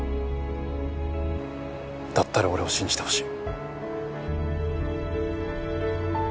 だったら俺を信じてほしい。